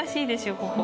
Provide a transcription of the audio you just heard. ここ。